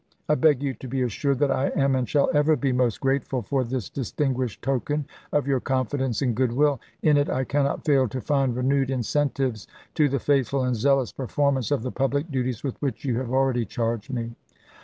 I beg you to be assured that I am and shall ever be most grateful for this distinguished token of your confidence and good will. In it I cannot fail to find renewed incentives to the faithful and zealous performance of the public duties with which you have already charged me."